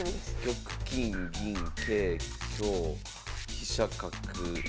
玉金銀桂香飛車角歩。